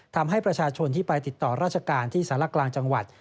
ทำให้ประชาชนที่ไปติดต่อราชการที่สารกลางจังหวัด